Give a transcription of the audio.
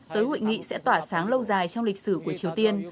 tới hội nghị sẽ tỏa sáng lâu dài trong lịch sử của triều tiên